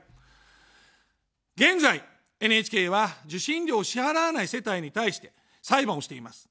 現在、ＮＨＫは受信料を支払わない世帯に対して裁判をしています。